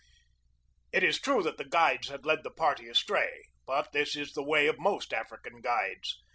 It is true that the guides had led the party astray; but this is the way of most African guides.